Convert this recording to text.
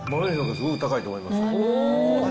すごく高いと思います。